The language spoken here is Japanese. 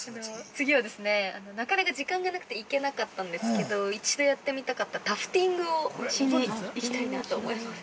◆次はですね、なかなか時間がなくて行けなかったんですけど一度やってみたかったタフティングをしに行きたいなと思います。